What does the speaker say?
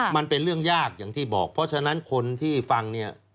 มันเป็นเรื่องยากอย่างที่บอกเพราะฉะนั้นคนที่ฟังเนี่ย